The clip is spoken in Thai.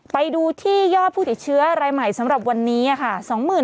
ไปดูที่ยอดผู้ติดเชื้อรายใหม่สำหรับวันนี้ค่ะ